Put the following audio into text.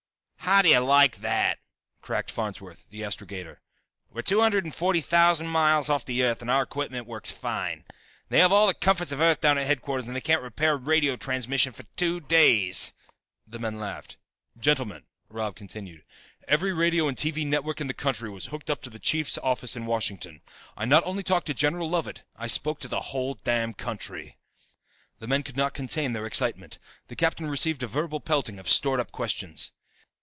"How do you like that!" cracked Farnsworth, the astrogator. "We're two hundred and forty thousand miles off the Earth and our equipment works fine. They have all the comforts of Earth down at headquarters and they can't repair radio transmission for two days!" The men laughed. "Gentlemen," Robb continued, "every radio and TV network in the country was hooked up to the chief's office in Washington. I not only talked to General Lovett, I spoke to the whole damn country." The men could not contain their excitement. The captain received a verbal pelting of stored up questions.